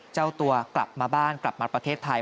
เจ้าตัวกลับมาบ้านกลับมาประเทศไทย